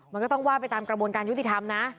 มันก็ต้องว่าไปตามกระบวนการยุติธรรมนะ